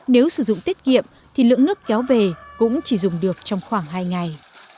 nếu sử dụng tiết kiệm thì lượng nước kéo về cũng chỉ dùng được trong khoảng hai ngày